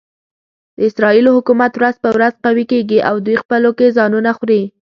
د اسرایلو حکومت ورځ په ورځ قوي کېږي او دوی خپلو کې ځانونه خوري.